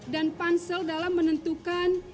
dan pansel dalam menentukan